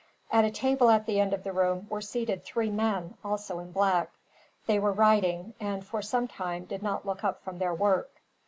At a table at the end of the room were seated three men, also in black. They were writing, and for some time did not look up from their work.